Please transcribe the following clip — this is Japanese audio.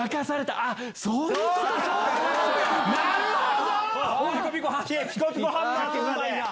そういうことや！